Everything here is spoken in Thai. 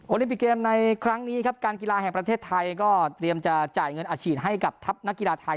ลิปิกเกมในครั้งนี้ครับการกีฬาแห่งประเทศไทยก็เตรียมจะจ่ายเงินอัดฉีดให้กับทัพนักกีฬาไทย